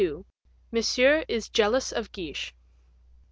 Monsieur is Jealous of Guiche.